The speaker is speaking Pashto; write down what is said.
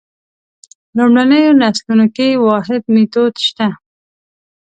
لومړنیو نسلونو کې واحد میتود شته.